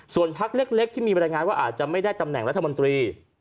ส่วนพักเล็กที่มีบรรยายงานว่าอาจจะไม่ได้ตำแหน่งรัฐมนตรี